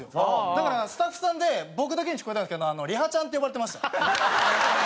だからスタッフさんで僕だけに聞こえたんですけどリハちゃんって呼ばれてました。